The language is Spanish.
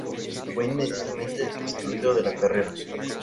Fue inmediatamente excluido de la carrera.